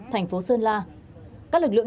thành phố sơn la các lực lượng